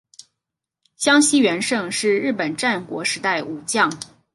香西元盛是日本战国时代武将。